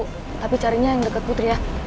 tapi carinya yang dekat putri ya